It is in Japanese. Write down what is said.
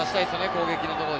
攻撃のところ。